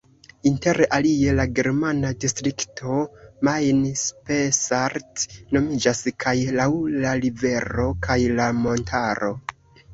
Inter alie la germana distrikto Main-Spessart nomiĝas kaj laŭ la rivero kaj la montaro.